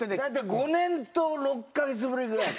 ５年と６カ月ぶりぐらいかな。